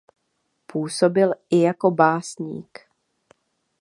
Působil i jako básník.